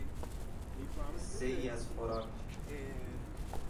حصهای از خوراک